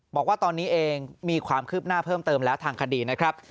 บอกว่าตอนนี้เองมีความคืบหน้าเพิ่มเติมแล้วทางคดีนะครับ